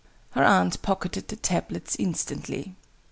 Her aunt pocketed the tablets instantly.